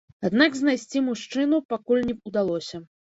Аднак знайсці мужчыну пакуль не ўдалося.